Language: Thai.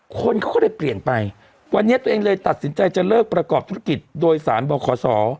คนเขาก็เลยเปลี่ยนไปวันนี้ตัวเองเลยตัดสินใจจะเลิกประกอบธุรกิจโดยสารบ่อขอสอ